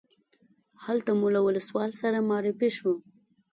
هلته مو له ولسوال سره معرفي شوو.